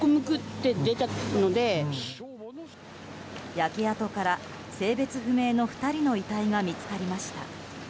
焼け跡から、性別不明の２人の遺体が見つかりました。